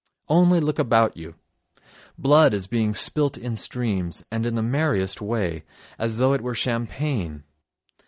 Only look about you: blood is being spilt in streams, and in the merriest way, as though it were champagne.